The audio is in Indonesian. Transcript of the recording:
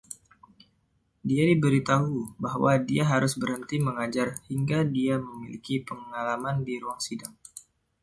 Dia diberitahu bahwa dia harus berhenti mengajar hingga dia memiliki pengalaman di ruang sidang.